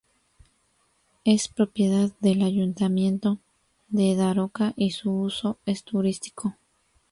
Es propiedad del "Ayuntamiento de Daroca", y su uso es turístico.